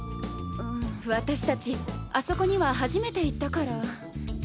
私たちあそこには初めて行ったから。